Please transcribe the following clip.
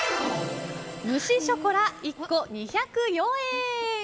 蒸ショコラ、１個２０４円。